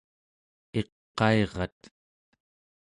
iqairat